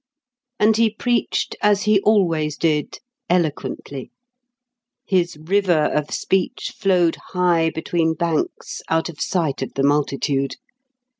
And he preached, as he always did, eloquently. His river of speech flowed high between banks out of sight of the multitude.